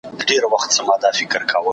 په شا کړی یې رنځور پلار لکه مړی